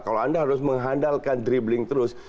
kalau anda harus mengandalkan dribling terus